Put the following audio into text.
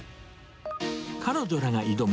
彼女らが挑む